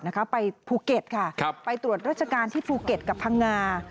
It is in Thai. จะไปภูเกฎไปตรวจรัชการที่ภูเกฎกับทางงา